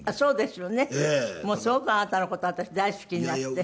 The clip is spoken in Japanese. すごくあなたの事私大好きになって。